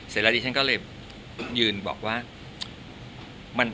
เสร็จแล้วดิฉันก็เลยยืนบอกว่า